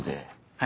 はい。